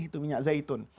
itu minyak zaitun